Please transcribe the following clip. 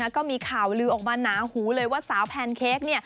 ก็มีข่าวลือออกมาหนาหูเลยว่าสาวแพนเค้ก